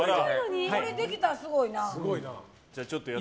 これができたら、すごいな。